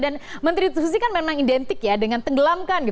menteri susi kan memang identik ya dengan tenggelamkan